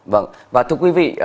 vâng và thưa quý vị